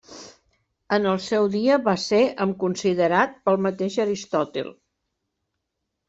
En el seu dia va ser amb considerat pel mateix Aristòtil.